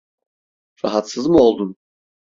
Rahatsız mı oldun?